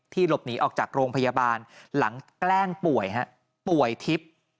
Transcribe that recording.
หลบหนีออกจากโรงพยาบาลหลังแกล้งป่วยฮะป่วยทิพย์